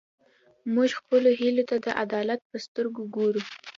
موږ خپلو هیلو ته د عدالت په سترګه ګورو.